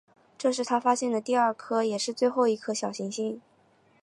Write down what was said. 这是他发现的第二颗也是最后一颗小行星。